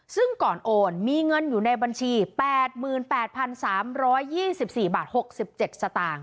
ซึ่งก่อนโอนมีเงินอยู่ในบัญชี๘๘๓๒๔บาท๖๗สตางค์